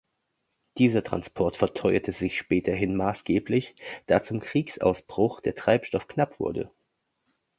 Dieser Transport verteuerte sich späterhin maßgeblich, da zum Kriegsausbruch der Treibstoff knapp wurde.